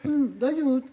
「大丈夫？」